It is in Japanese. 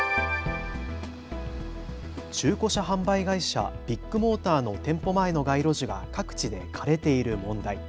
中古車販売会社、ビッグモーターの店舗前の街路樹が各地で枯れている問題。